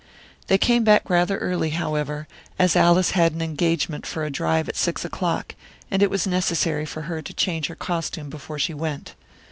They came back rather early, however, as Alice had an engagement for a drive at six o'clock, and it was necessary for her to change her costume before she went.